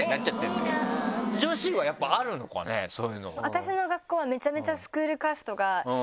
私の学校はめちゃめちゃ。